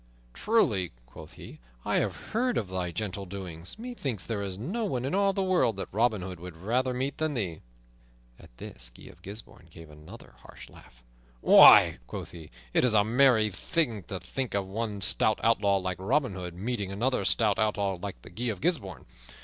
"Truly," quoth he, "I have heard of thy gentle doings. Methinks there is no one in all the world that Robin Hood would rather meet than thee." At this Guy of Gisbourne gave another harsh laugh. "Why," quoth he, "it is a merry thing to think of one stout outlaw like Robin Hood meeting another stout outlaw like Guy of Gisbourne.